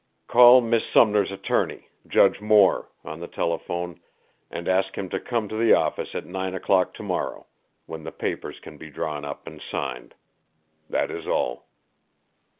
Call Miss Sumner's attorney, Judge Moore, on the telephone and ask him to come to the office at nine o'clock to morrow, when the papers can be drawn up and signed. That is all."